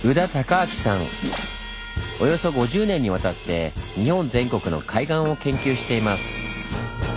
およそ５０年にわたって日本全国の海岸を研究しています。